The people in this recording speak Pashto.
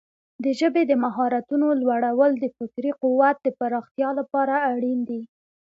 د ژبې د مهارتونو لوړول د فکري قوت د پراختیا لپاره اړین دي.